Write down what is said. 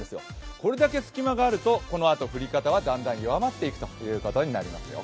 これだけ隙間があるとこのあと降り方はだんだん弱まっていくということになりますよ。